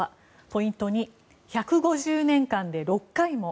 ポイント２１５０年間で６回も。